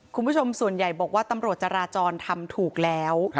คุณผู้ชมส่วนใหญ่บอกว่าตำรวจจราจรทำถูกแล้ว